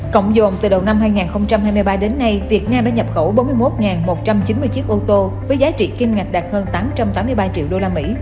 cộng dồn từ đầu năm hai nghìn hai mươi ba đến nay việt nam đã nhập khẩu bốn mươi một một trăm chín mươi chiếc ô tô với giá trị kim ngạch đạt hơn tám trăm tám mươi ba triệu usd